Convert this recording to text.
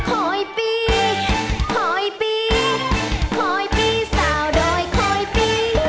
คอยปีสาวโดยคอยปี